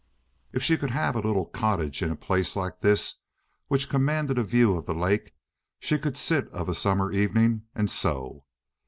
If she could have a little cottage in a place like this which commanded a view of the lake she could sit of a summer evening and sew.